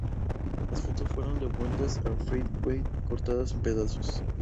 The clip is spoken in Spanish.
Las fotos fueron devueltas a Fred Wade cortadas en pedazos.